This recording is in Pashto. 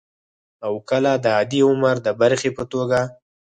او کله د عادي عمر د برخې په توګه